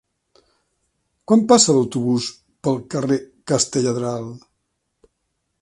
Quan passa l'autobús pel carrer Castelladral?